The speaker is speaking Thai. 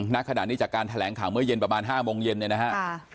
ณขณะนี้จากการแถลงข่าวเมื่อเย็นประมาณ๕โมงเย็นเนี่ยนะฮะ